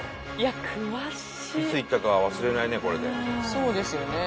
そうですよね。